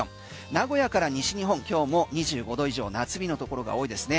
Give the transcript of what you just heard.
名古屋から西日本、今日も２５度以上夏日のところが多いですね